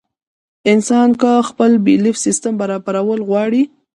انسان کۀ خپل بيليف سسټم برابرول غواړي